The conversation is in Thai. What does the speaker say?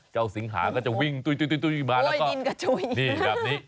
เจ้าสิงหาก็จะวิ่งตุ๊ยมาแล้วก็โอ้ยดินกระจุยนี่แบบนี้